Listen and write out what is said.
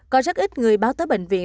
có rất ít người báo tới bệnh viện